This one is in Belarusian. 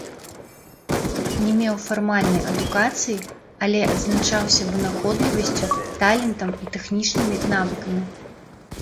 Не меў фармальнай адукацыі, але адзначаўся вынаходлівасцю, талентам і тэхнічнымі навыкамі.